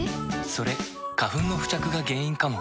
それ花粉の付着が原因かも。